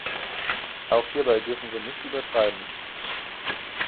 Auch hierbei dürfen wir nicht übertreiben.